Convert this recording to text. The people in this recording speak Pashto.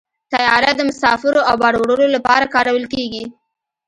طیاره د مسافرو او بار وړلو لپاره کارول کېږي.